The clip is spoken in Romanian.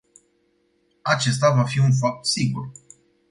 Acesta va fi un fapt sigur.